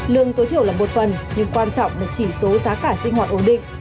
lương tối thiểu là một phần nhưng quan trọng là chỉ số giá cả sinh hoạt ổn định